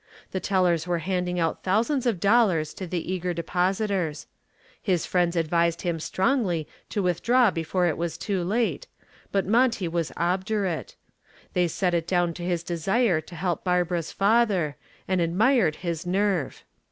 The tellers were handing out thousands of dollars to the eager depositors. His friends advised him strongly to withdraw before it was too late, but Monty was obdurate. They set it down to his desire to help Barbara's father and admired his nerve.